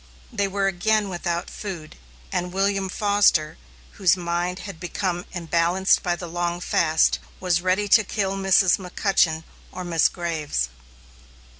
They were again without food; and William Foster, whose mind had become unbalanced by the long fast, was ready to kill Mrs. McCutchen or Miss Graves.